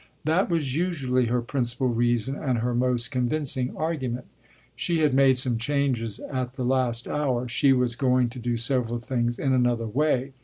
That was usually her principal reason and her most convincing argument. She had made some changes at the last hour she was going to do several things in another way.